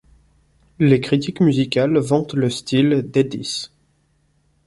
Les critiques musicales vantent le style d'Edis.